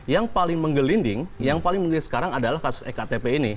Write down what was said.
yang paling menggelinding yang paling mengeliling sekarang adalah kasus ektp ini